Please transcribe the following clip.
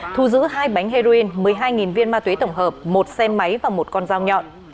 thu giữ hai bánh heroin một mươi hai viên ma túy tổng hợp một xe máy và một con dao nhọn